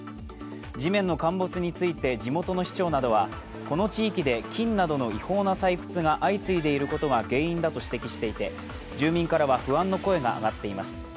地面の陥没について、地元の市長などはこの地域で金などの違法な採掘が相次いでいることが原因だと指摘していて住民からは不安の声が上がっています。